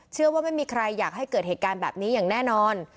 เชื่อว่าไม่มีใครอยากให้เกิดเหตุการณ์แบบนี้อย่างแน่นอน